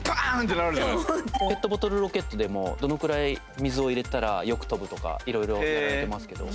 ペットボトルロケットでもどのくらい水を入れたらよく飛ぶとかいろいろやってますけど。